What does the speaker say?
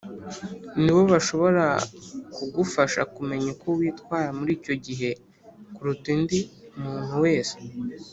ni bo bashobora kugufasha kumenya uko witwara muri icyo gihe kuruta undi muntu wese